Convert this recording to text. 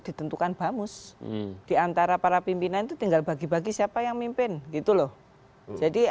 ditentukan bamus diantara para pimpinan itu tinggal bagi bagi siapa yang mimpin gitu loh jadi